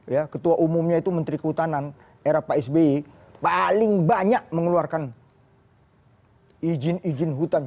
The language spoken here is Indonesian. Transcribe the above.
ya ketua umumnya itu menteri kehutanan era pak sby paling banyak mengeluarkan izin izin hutan